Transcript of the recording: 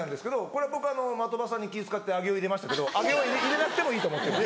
これ僕的場さんに気使って上尾入れましたけど上尾は入れなくてもいいと思ってる。